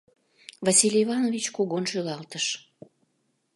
Василий Иванович кугун шӱлалтыш.